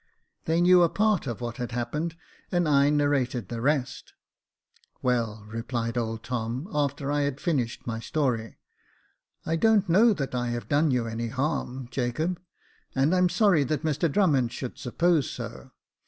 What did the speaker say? They knew a part of what had happened, and I narrated the rest. " Well," replied old Tom, after I had finished my story, I don't know that I have done you any harm, Jacob, and I'm sorry that Mr Drummond should suppose so.